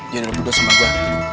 jangan reput gue sama gua